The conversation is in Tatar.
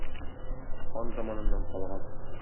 Хан заманыннан калган.